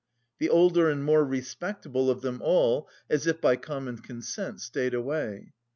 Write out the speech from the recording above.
The older and more respectable of them all, as if by common consent, stayed away.